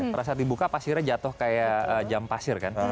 pada saat dibuka pasirnya jatuh kayak jam pasir kan